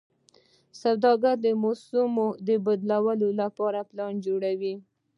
سوداګر د موسمي بدلونونو لپاره پلان جوړوي.